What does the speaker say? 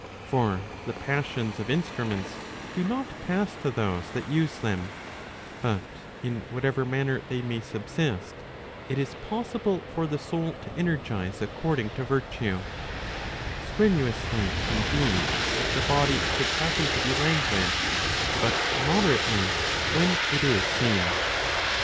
For the passions of instruments do not pass to those that use them; but in whatever manner they may subsist, it is possible for the soul to energize according to virtue; strenuously indeed, if the body should happen to be languid, but moderately when it is sane.